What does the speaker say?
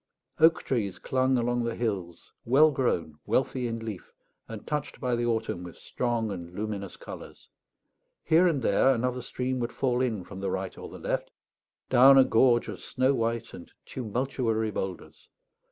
Oak trees clung along the hills, well grown, wealthy in leaf, and touched by the autumn with strong and luminous colours. Here and there another stream would fall in from the right or the left, down a gorge of snow white and tumultuary boulders.